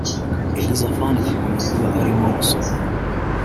Elizaphan akunda kuba arimo gusoma